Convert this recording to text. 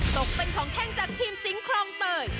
ตกเป็นของแข้งจากทีมสิงคลองเตย